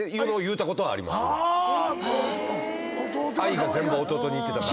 愛が全部弟に行ってたから。